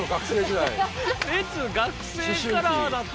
烈学生カラーだった。